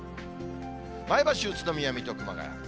前橋、宇都宮、水戸、熊谷。